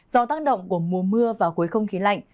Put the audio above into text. do tác động của mùa mưa và khối không khí lạnh